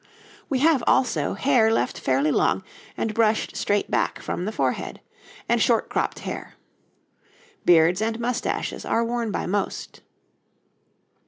We have, also, hair left fairly long and brushed straight back from the forehead, and short cropped hair. Beards and moustaches are worn by most.